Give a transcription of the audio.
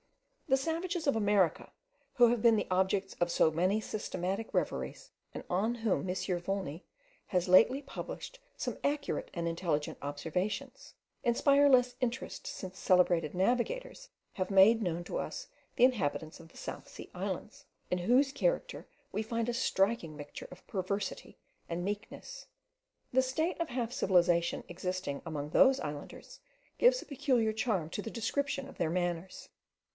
The savages of America, who have been the objects of so many systematic reveries, and on whom M. Volney has lately published some accurate and intelligent observations, inspire less interest since celebrated navigators have made known to us the inhabitants of the South Sea islands, in whose character we find a striking mixture of perversity and meekness. The state of half civilization existing among those islanders gives a peculiar charm to the description of their manners.